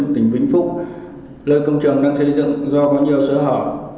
tỉnh vĩnh phúc lơi công trường đang xây dựng do có nhiều sở hở